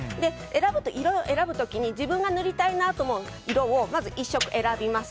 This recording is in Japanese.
色を選ぶときに自分が塗りたいなと思う色をまず１色選びます。